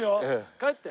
帰って。